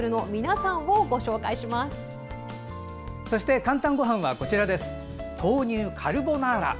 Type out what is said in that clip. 「かんたんごはん」は豆乳カルボナーラ。